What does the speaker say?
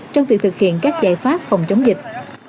trong việc thực hiện các giải pháp phòng chống dịch